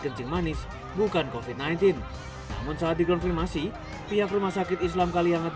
kencing manis bukan kofi sembilan belas namun saat dikonfirmasi pihak rumah sakit islam kalianget